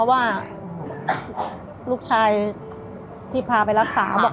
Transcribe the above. รักษะสู้กันไงจริงจริง